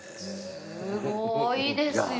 すごいですよ。